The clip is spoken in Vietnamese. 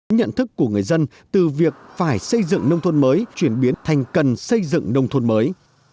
nhận thức của người dân từ việc phải xây dựng nông thôn mới chuyển biến thành cần xây dựng nông thôn mới